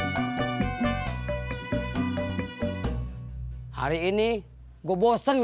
saya enhanceskan rayu yang gue pengen makan